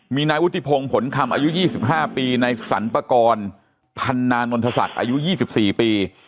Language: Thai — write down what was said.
มีนายวุฒิพงศ์ผลคำอายุ๒๕ปีนายสรรพากรพันนานนทศักดิ์อายุ๒๔ปี